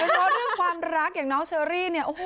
เพราะว่าเรื่องความรักอย่างน้องเชอรี่นี่